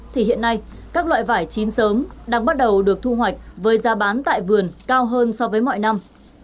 thì hiện nay các loại vải chín sớm đang bắt đầu được thu hoạch với giá bán tại vườn cao hơn so với mọi năm